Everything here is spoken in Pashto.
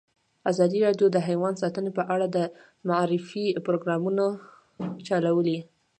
ازادي راډیو د حیوان ساتنه په اړه د معارفې پروګرامونه چلولي.